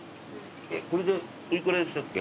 これでお幾らでしたっけ？